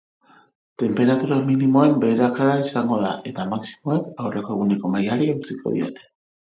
Tenperatura minimoen beherakada izango da eta maximoek aurreko eguneko mailari eutsiko diote.